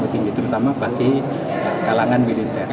terutama bagi kalangan militer